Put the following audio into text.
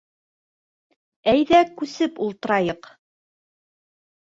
— Әйҙә күсеп ултырайыҡ.